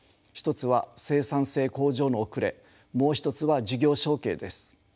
一つは生産性向上の遅れもう一つは事業承継です。